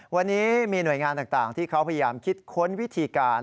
วันนี้มีหน่วยงานต่างที่เขาพยายามคิดค้นวิธีการ